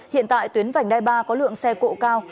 hiện tại tuyến vành đai ba có lượng xe cộ cao